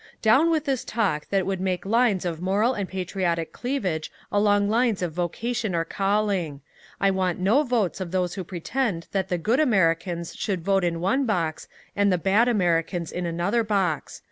"Down with this talk that would make lines of moral and patriotic cleavage along lines of vocation or calling. I want no votes of those who pretend that the good Americans should vote in one box and the bad Americans in another box.